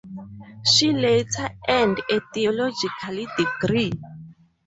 She later earned a theological degree.